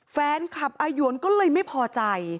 แฟนคลับอาหยวนก็เลยไม่พอใจ